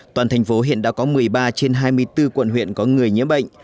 toàn thành phố hiện đã có một mươi ba trên hai mươi bốn quận huyện có người nhiễm bệnh